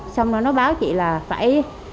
xong rồi nó báo chị là phải